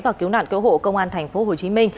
và cứu nạn cứu hộ công an tp hcm